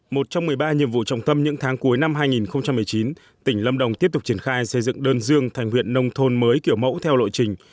một trong một mươi ba nhiệm vụ trọng tâm những tháng cuối năm hai nghìn một mươi chín tỉnh lâm đồng tiếp tục triển khai xây dựng đơn dương thành huyện nông thôn mới kiểu mẫu theo lộ trình